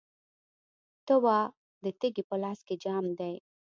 ته وا، د تږي په لاس کې جام دی